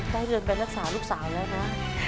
ได้เงินไปรักษาลูกสาวแล้วนะ